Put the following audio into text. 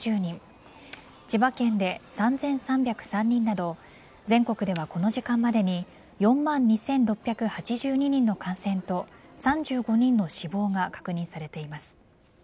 千葉県で３３０３人など全国ではこの時間までに４万２６８２人の感染と３５人の死亡が確認されています。